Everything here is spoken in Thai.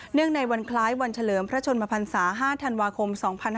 ในวันคล้ายวันเฉลิมพระชนมพันศา๕ธันวาคม๒๕๕๙